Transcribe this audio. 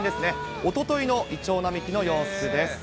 おとといのイチョウ並木の様子です。